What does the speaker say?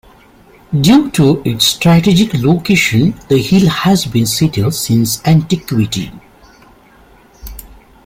Due to its strategic location, the hill has been settled since antiquity.